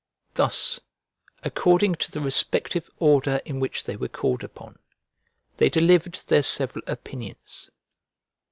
Thus, according to the respective order in which they were called upon, they delivered their several opinions.